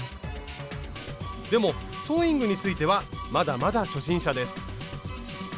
でもソーイングについてはまだまだ初心者です。